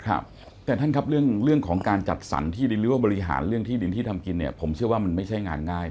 ครับแต่ท่านครับเรื่องของการจัดสรรที่ดินหรือว่าบริหารเรื่องที่ดินที่ทำกินเนี่ยผมเชื่อว่ามันไม่ใช่งานง่าย